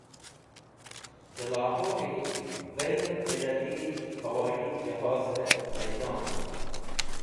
De Lahori Bainul Millali Hawoyi Johoze Maidon